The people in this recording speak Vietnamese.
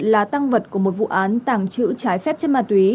là tăng vật của một vụ án tảng trữ trái phép trên ma túy